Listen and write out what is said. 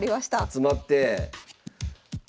集まって。